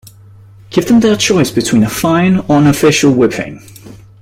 Give them their choice between a fine or an official whipping.